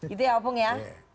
itu ya opung ya